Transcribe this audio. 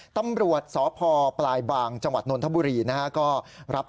ตำรวจสพปลายบางจนนทบุรีนะครับ